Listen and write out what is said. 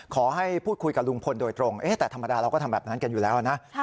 ขอให้พูดคุยกับลุงพลโดยตรงแต่ธรรมดาเราก็ทำแบบนั้นกันอยู่แล้วนะ